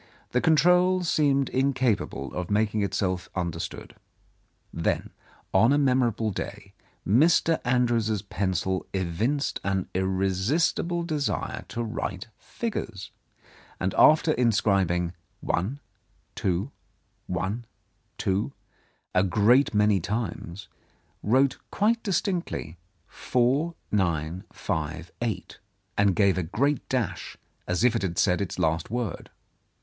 The control seemed incapable of making itself under stood. Then on a memorable day Mr. Andrews's pencil evinced an irresistible desire to write figures, and after inscribing "one, two, one, two," a great many times, wrote quite distinctly 4958, and gave a great dash as if it had said its last word.